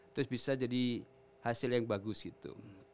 terus bisa jadi hasil yang bagus itu